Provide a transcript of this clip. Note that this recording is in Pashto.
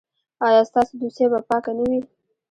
ایا ستاسو دوسیه به پاکه نه وي؟